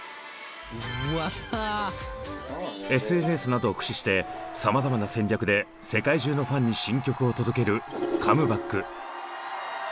ＳＮＳなどを駆使して様々な戦略で世界中のファンに新曲を届けるカムバック。